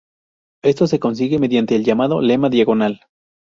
Esto se consigue mediante el llamado lema diagonal.